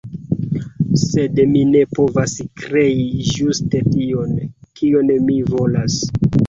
sed mi ne povas krei ĝuste tion, kion mi volas.